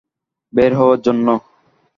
বের হওয়ার জন্য?